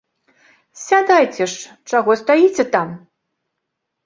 Сядайце ж, чаго стаіце там!